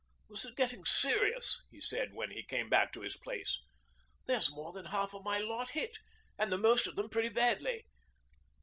'This is getting serious,' he said when he came back to his place. 'There's more than the half of my lot hit, and the most of them pretty badly.